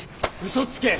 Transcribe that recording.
嘘つけ！